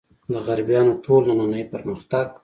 د غربیانو ټول نننۍ پرمختګ.